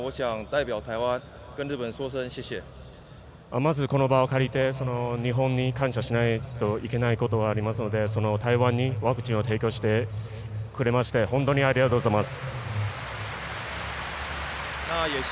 まずこの場を借りて日本に感謝しないといけないことがありますので台湾にワクチンを提供してくれまして本当にありがとうございます。